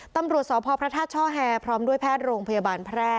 ตำรวจสพพระธาตุช่อแฮพร้อมด้วยแพทย์โรงพยาบาลแพร่